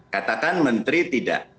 katakan menteri tidak